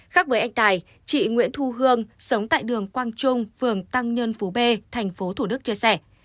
khác với anh tài chị nguyễn thu hương sống tại đường quang trung phường tăng nhân phú b tp thủ đức chia sẻ